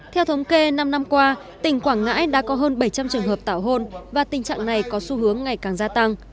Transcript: theo thống kê năm năm qua tỉnh quảng ngãi đã có hơn bảy trăm linh trường hợp tảo hôn và tình trạng này có xu hướng ngày càng gia tăng